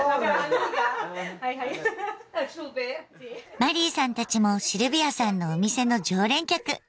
マリーさんたちもシルビアさんのお店の常連客。